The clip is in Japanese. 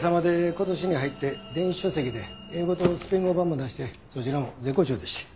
今年に入って電子書籍で英語とスペイン語版も出してそちらも絶好調でして。